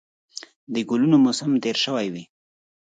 د ګلونو موسم تېر شوی وي